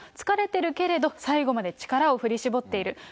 疲れてるけれど最後まで力を振り絞っている。